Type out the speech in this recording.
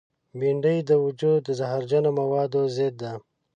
بېنډۍ د وجود د زهرجنو موادو ضد ده